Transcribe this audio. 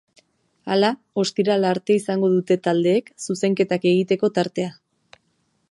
Hala, ostirala arte izango dute taldeek zuzenketak egiteko tartea.